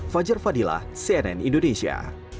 fajar fadillah cnn indonesia